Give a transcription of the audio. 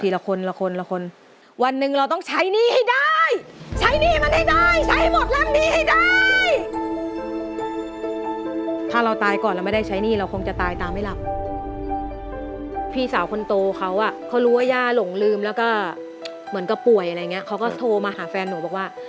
เหมือนกับป่วยอะไรอย่างนี้เขาก็โทรมาหาแฟนหนูบอกว่า